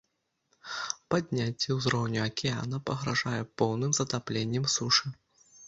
Падняцце ўзроўню акіяна пагражае поўным затапленнем сушы.